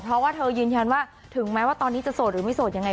เพราะว่าเธอยืนยันว่าถึงแม้ว่าตอนนี้จะโสดหรือไม่โสดยังไง